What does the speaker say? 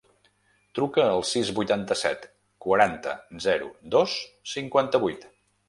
Truca al sis, vuitanta-set, quaranta, zero, dos, cinquanta-vuit.